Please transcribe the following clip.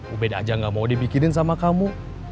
ubed aja gak mau dipikirin sama kamu